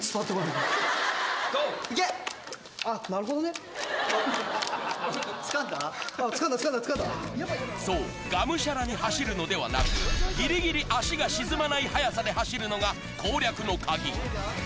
つかんだ、つかんだ、つかんそう、がむしゃらに走るのではなく、ぎりぎり足が沈まない速さで走るのが攻略の鍵。